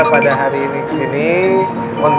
ustadz musa'i mulla dan santun